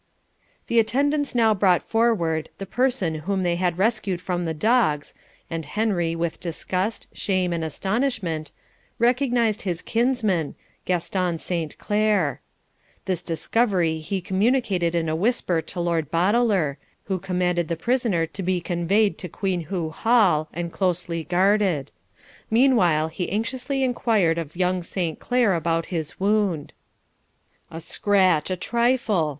The attendants now brought forwaid the person whom they had rescued from the dogs, and Henry, with disgust, shame, and astonishment, recognised his kinsman, Gaston Saint Clere. This discovery he communicated in a whisper to Lord Boteler, who commanded the prisoner to be conveyed to Queenhoo Hall, and closely guarded; meanwhile he anxiously inquired of young Saint Clere about his wound. 'A scratch, a trifle!'